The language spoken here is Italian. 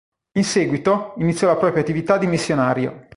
In seguito, iniziò la propria attività di missionario.